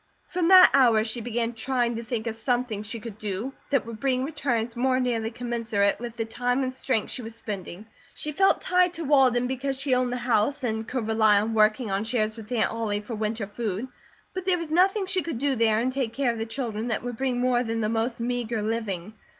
From that hour she began trying to think of something she could do that would bring returns more nearly commensurate with the time and strength she was spending. She felt tied to Walden because she owned the house, and could rely on working on shares with Aunt Ollie for winter food; but there was nothing she could do there and take care of the children that would bring more than the most meagre living.